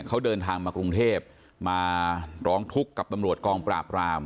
เขาเดินทางมากรุงเทพมาร้องทุกข์กับตำรวจกองปราบราม